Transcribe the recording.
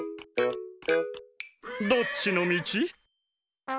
どっちのみち？